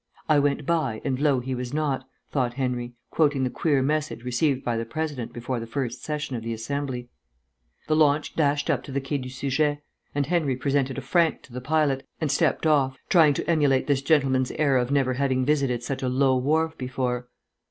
"I went by, and lo he was not," thought Henry, quoting the queer message received by the President before the first session of the Assembly. The launch dashed up to the Quai du Seujet, and Henry presented a franc to the pilot, and stepped off, trying to emulate this gentleman's air of never having visited such a low wharf before.